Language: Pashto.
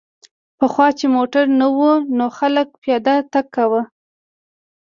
پخوا چې موټر نه و نو خلک پیاده تګ کاوه